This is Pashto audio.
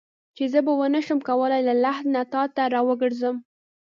چې زه به ونه شم کولای له لحد نه تا ته راوګرځم.